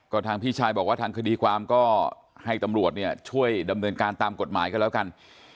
ก็ทางพี่ชายบอกว่าทางคดีความก็ให้ตำรวจเนี่ยช่วยดำเนินการตามกฎหมายกันแล้วกัน